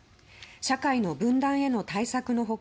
社会の分断への対策の他